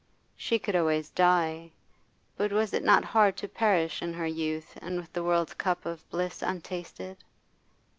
She could always die, but was it not hard to perish in her youth and with the world's cup of bliss untasted?